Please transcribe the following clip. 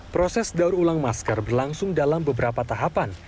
proses daur ulang masker berlangsung dalam beberapa tahapan